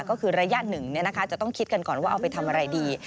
ก็คือระยะหนึ่งจะต้องคิดกันก่อนว่าเอาไปทำอะไรดี